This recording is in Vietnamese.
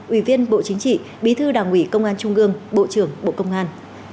ủy viên bộ chính trị bí thư đảng ủy công an trung gương bộ trưởng bộ công an